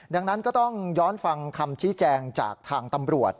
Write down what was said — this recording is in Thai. ดังนั้นก็ต้องย้อนฟังคำชี้แจงจากทางตำรวจ